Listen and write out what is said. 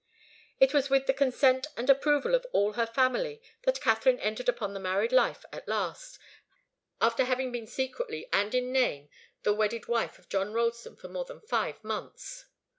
It was with the consent and approval of all her family that Katharine entered upon her married life at last, after having been secretly and in name the wedded wife of John Ralston for more than five months.